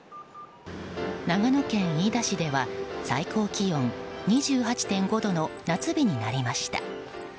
長野県飯田市では最高気温２８．５度の夏日になりました。